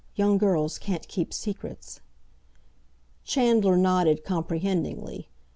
Young girls can't keep secrets." Chandler nodded comprehendingly.